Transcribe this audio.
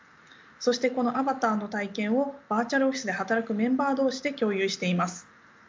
そしてこのアバターの体験をバーチャルオフィスで働くメンバー同士で共有しています。